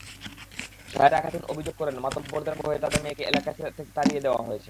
সাহেরা খাতুন অভিযোগ করেন, মাতব্বরদের ভয়ে তাঁদের মেয়েকে এলাকা থেকে তাড়িয়ে দেওয়া হয়েছে।